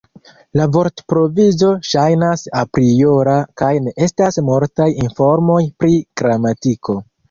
La vortprovizo ŝajnas apriora kaj ne estas multaj informoj pri gramatiko.